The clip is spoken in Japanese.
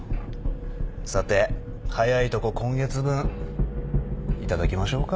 さて早いとこ今月分頂きましょうか。